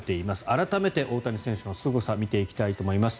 改めて、大谷選手のすごさを見ていきたいと思います。